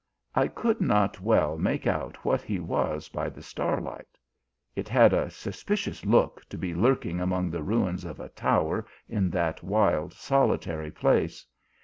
I could not well make out what he was by the starlight. It had a suspicious look to be lurking among the ruins of a tower in that wild solitary place.